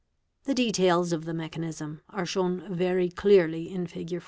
The details of the mechanism are shown —| very clearly in Fig.